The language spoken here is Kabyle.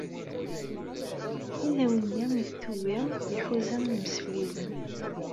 Inaw-nni i d-tewwi iḥuza imsefliden.